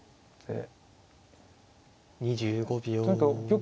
２５秒。